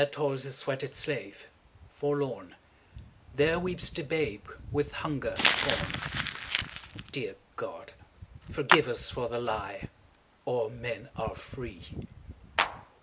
There toils the sweated slave, forlorn; There weeps the babe with hunger torn; Dear God! Forgive us for the lie—'All men are free!